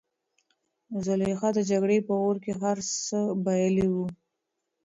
زلیخا د جګړې په اور کې هر څه بایللي وو.